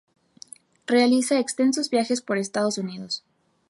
Realiza extensos viajes por Estados Unidos.